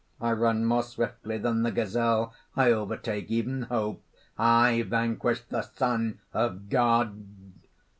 I run more swiftly than the gazelle; I overtake even Hope; I vanquished the Son of God!"